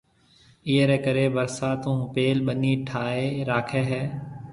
ايئيَ رَي ڪرَي ڀرسات ھون پيل ٻنِي ٺائيَ راکيَ ھيََََ